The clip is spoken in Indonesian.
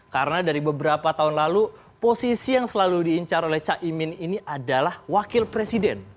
karena dari beberapa tahun lalu posisi yang selalu diincar oleh caimin ini adalah wakil presiden